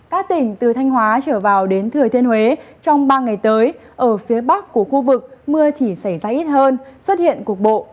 các tỉnh từ thanh hóa trở vào đến thừa thiên huế trong ba ngày tới ở phía bắc của khu vực mưa chỉ xảy ra ít hơn xuất hiện cục bộ